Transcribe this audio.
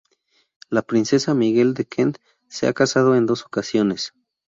La princesa Miguel de Kent se ha casado en dos ocasiones.